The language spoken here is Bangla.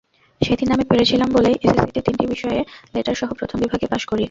সেদিন আমি পেরেছিলাম বলেই এসএসসিতে তিনটি বিষয়ে লেটারসহ প্রথম বিভাগে পাস করি।